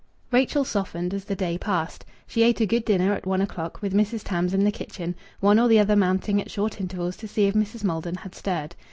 Rachel softened as the day passed. She ate a good dinner at one o'clock, with Mrs. Tams in the kitchen, one or the other mounting at short intervals to see if Mrs. Maldon had stirred.